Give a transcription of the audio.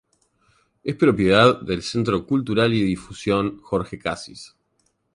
Es propiedad del Centro Cultural y de Difusión Jorge Cassis.